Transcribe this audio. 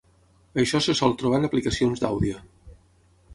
Això se sol trobar en aplicacions d'àudio.